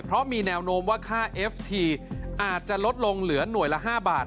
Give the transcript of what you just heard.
เพราะมีแนวโน้มว่าค่าเอฟทีอาจจะลดลงเหลือหน่วยละ๕บาท